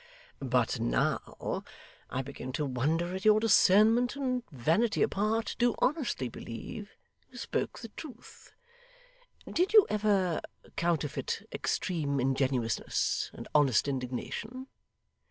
But now I begin to wonder at your discernment, and vanity apart, do honestly believe you spoke the truth. Did you ever counterfeit extreme ingenuousness and honest indignation?